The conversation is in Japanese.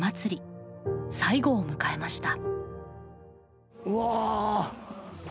最後を迎えました。